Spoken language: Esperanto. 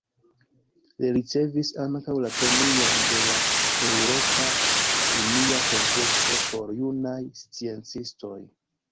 Li ricevis ankaŭ la Premion de la Eŭropa Unia Konkurso por Junaj Sciencistoj.